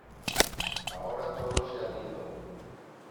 Ahora todos se han ido